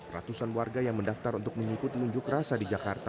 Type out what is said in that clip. ratusan warga yang mendaftar untuk mengikuti unjuk rasa di jakarta